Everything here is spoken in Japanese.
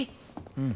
うん。